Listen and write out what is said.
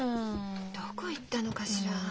どこ行ったのかしら？